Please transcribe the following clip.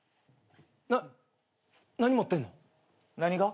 なっ何持ってんの？何が？